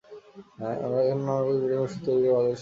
ওখানে নানা প্রকার ভিটামিন ওষুধ তৈরি করে বাজারে সরবরাহ করা হতো।